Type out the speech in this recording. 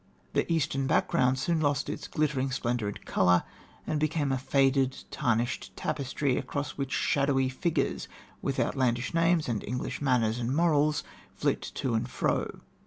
The Eastern background soon lost its glittering splendour and colour, and became a faded, tarnished tapestry, across which shadowy figures with outlandish names and English manners and morals flit to and fro.